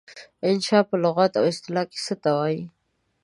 انشأ په لغت او اصطلاح کې څه ته وايي؟